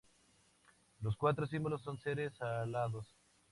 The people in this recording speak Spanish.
Los cuatro símbolos son seres alados.